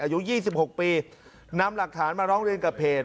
อายุ๒๖ปีนำหลักฐานมาร้องเรียนกับเพจ